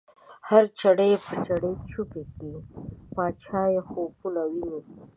هر چړی په چړ چوبی کی، پاچایی خوبونه وینی